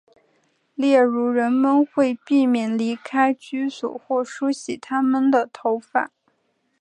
例如人们会避免离开居所或梳洗他们的头发。